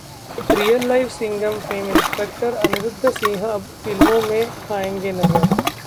real life Singham fame inspector Anirudh Singh अब फिल्मों में आएंगे नजर